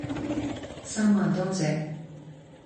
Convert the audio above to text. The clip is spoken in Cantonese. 三萬多謝